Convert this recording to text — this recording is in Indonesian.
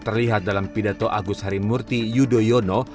terlihat dalam pidato agus harimurti yudhoyono